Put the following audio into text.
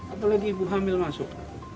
apalagi ibu hamil masuk